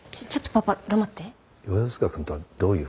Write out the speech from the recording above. パパ黙って。